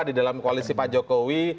di dalam koalisi pak jokowi